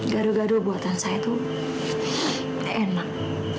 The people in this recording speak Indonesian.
gado gado buatan saya itu enak